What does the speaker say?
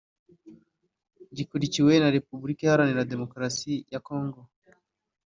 gikurikiwe na Repubulika iharanira demokarasi ya Congo